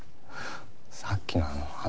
さっきのあの話